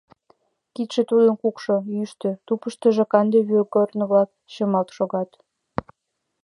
Кидше тудын кукшо, йӱштӧ, тупыштыжо канде вӱргорно-влак чымалт шогат.